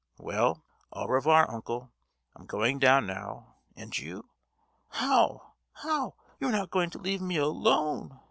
"Well, au revoir, uncle! I'm going down, now, and you——" "How! How! you are not going to leave me alone?"